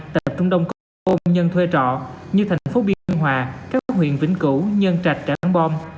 tại trung đông có nhiều công nhân thuê trọ như thành phố biên hòa các huyện vĩnh cửu nhân trạch trảng bôm